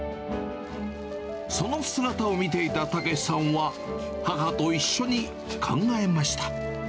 その姿を見ていた剛さんは、母と一緒に考えました。